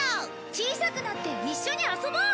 小さくなって一緒に遊ぼう！